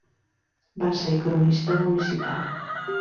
Va ser cronista municipal.